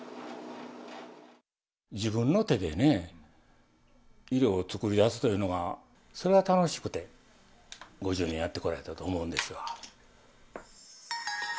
自分の手でね、色を作り出すというのが、それが楽しくて、５０年やってこられたと思うんですわ。